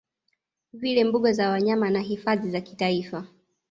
vile mbuga za wanyama na Hifadhi za kitaifa